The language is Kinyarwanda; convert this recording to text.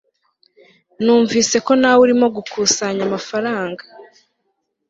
Numvise ko nawe urimo gukusanya amafaranga